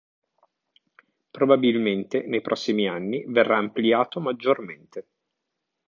Probabilmente nei prossimi anni verrà ampliato maggiormente.